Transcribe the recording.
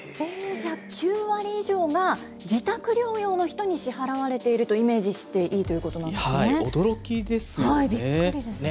じゃあ、９割以上が自宅療養の人に支払われているとイメージしていいとい驚きですよね。